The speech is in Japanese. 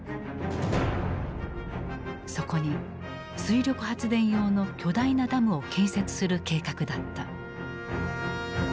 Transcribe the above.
そこに水力発電用の巨大なダムを建設する計画だった。